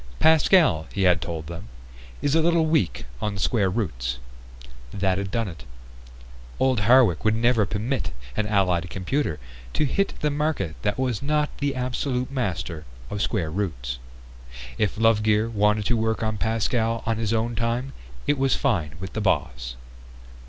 "Pascal," he had told them, "is a little weak on square roots." That had done it! Old Hardwick would never permit an Allied computer to hit the market that was not the absolute master of square roots. If Lovegear wanted to work on Pascal on his own time it was fine with the boss.